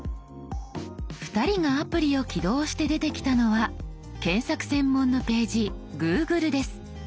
２人がアプリを起動して出てきたのは検索専門のページ「Ｇｏｏｇｌｅ」です。